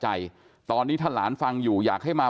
จนกระทั่งหลานชายที่ชื่อสิทธิชัยมั่นคงอายุ๒๙เนี่ยรู้ว่าแม่กลับบ้าน